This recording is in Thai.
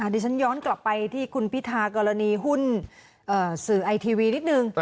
ดิฉันย้อนกลับไปที่คุณพิธากรณีหุ้นสื่อไอทีวีนิดนึง